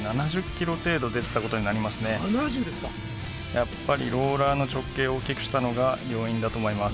やっぱりローラーの直径を大きくしたのが要因だと思います。